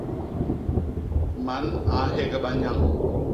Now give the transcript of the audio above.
Man a nhégba nyañ.